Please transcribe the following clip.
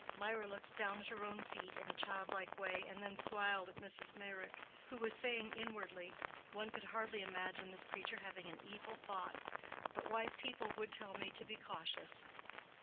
'" Mirah looked down at her own feet in a childlike way and then smiled at Mrs. Meyrick, who was saying inwardly, "One could hardly imagine this creature having an evil thought. But wise people would tell me to be cautious."